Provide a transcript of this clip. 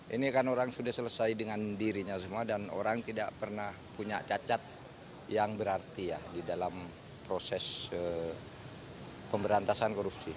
ini kan orang sudah selesai dengan dirinya semua dan orang tidak pernah punya cacat yang berarti ya di dalam proses pemberantasan korupsi